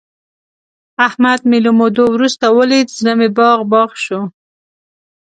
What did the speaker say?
احمد مې له مودو ورسته ولید، زړه مې باغ باغ شو.